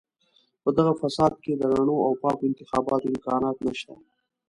په دغه فساد کې د رڼو او پاکو انتخاباتو امکانات نشته.